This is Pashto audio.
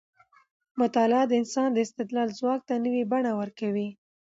مطالعه د انسان د استدلال ځواک ته نوې بڼه ورکوي.